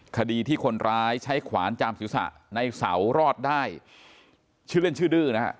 คดีที่คนร้ายใช้ขวานจามศีรษะในเสารอดได้ชื่อเล่นชื่อดื้อนะฮะ